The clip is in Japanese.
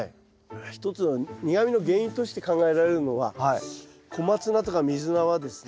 一つは苦みの原因として考えられるのはコマツナとかミズナはですね